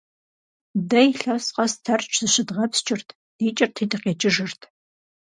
Дэ илъэс къэс Тэрч зыщыдгъэпскӀырт, дикӀырти дыкъикӀыжырт.